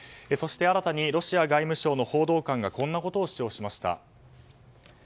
そして、新たにロシア外務省の報道官がこんなことを主張しました。